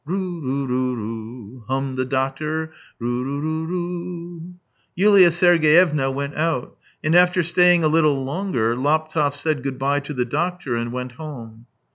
" Ru ru ru ru, " hummed the doctor. " Ru ru ni ru." Yulia Sergeyevna went out, and after staying a little longer, Laptev said good bye to the doctor and went home.